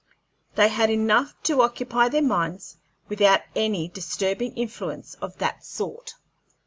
They had enough to occupy their minds without any disturbing influence of that sort.